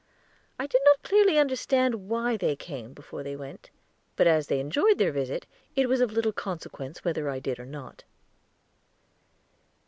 I did not clearly understand why they came before they went; but as they enjoyed their visit, it was of little consequence whether I did or not.